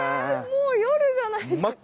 もう夜じゃないですか。